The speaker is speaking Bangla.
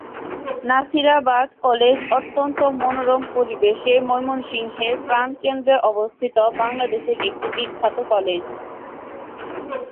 নাসিরাবাদ কলেজ অত্যন্ত মনোরম পরিবেশে ময়মনসিংহের প্রাণকেন্দ্রে অবস্থিত বাংলাদেশের একটি বিখ্যাত কলেজ।